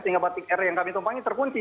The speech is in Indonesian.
sehingga batik air yang kami tumpangi terkunci